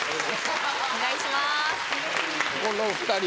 お願いします